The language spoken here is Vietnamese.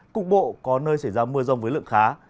cục bộ có nơi xảy ra mưa rông với lượng khá